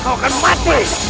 kau akan mati